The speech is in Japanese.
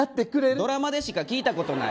ドラマでしか聞いたことない。